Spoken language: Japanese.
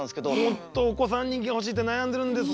もっとお子さん人気が欲しいって悩んでるんですよ。